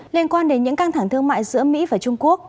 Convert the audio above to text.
liên quan đến những căng thẳng thương mại giữa mỹ và trung quốc